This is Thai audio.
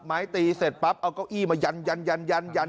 ไม้ตีเสร็จปั๊บเอาเก้าอี้มายันยัน